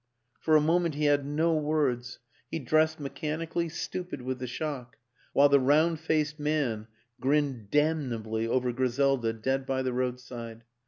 For a moment he had no words; he dressed mechanically, stupid with the shock while the round faced man grinned damnably over Griselda dead by the roadside.